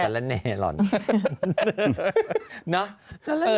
การระเน่หรอ